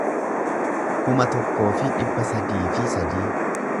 kuma tokkoo fi dhibba sadii fi sadii